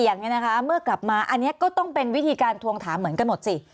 อย่างนี้นะคะเมื่อกลับมาอันนี้ก็ต้องเป็นวิธีการทวงถามเหมือนกันหมดสิ